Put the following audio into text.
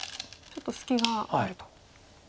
ちょっと隙があると。